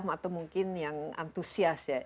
atau mungkin yang antusias ya